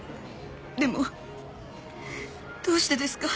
でもどうしてですか？